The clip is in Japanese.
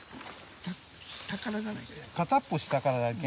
片っぽ下からだきゃあ。